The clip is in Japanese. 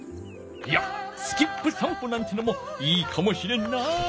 いやスキップ散歩なんてのもいいかもしれんな。